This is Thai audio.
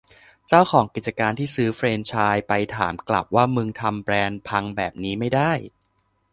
เจ้าของกิจการที่ซื้อแฟรนไซส์ไปถามกลับว่ามึงทำแบรนด์พังแบบนี้ไม่ได้